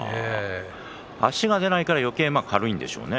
足が出ないからよけい軽いんでしょうね。